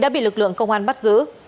bị lực lượng công an bắt giữ